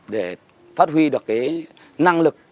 để phát huy được cái năng lực